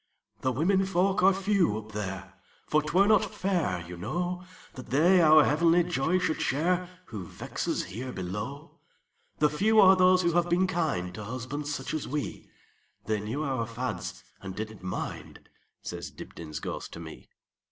"The women folk are few up there; For 't were not fair, you know, That they our heavenly joy should shareWho vex us here below. The few are those who have been kindTo husbands such as we; They knew our fads, and did n't mind,"Says Dibdin's ghost to me.